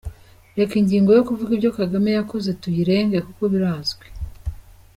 Reka ingingo yo kuvuga ibyo Kagame yakoze tuyirenge kuko birazwi.